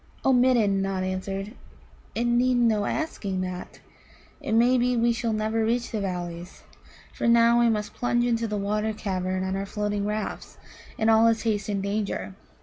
"O Midden," Nod answered, "it needed no asking that. It may be we shall never reach the Valleys. For now we must plunge into the water cavern on our floating rafts, and all is haste and danger.